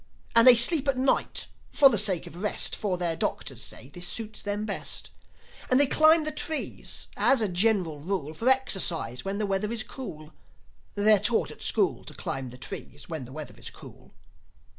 And they sleep at night, for the sake of rest; For their doctors say this suits them best. And they climb the trees, as a general rule, For exercise, when the weather is cool. They're taught at school To climb the trees when the weather is cool.